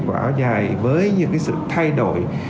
của áo dài với những cái sự thay đổi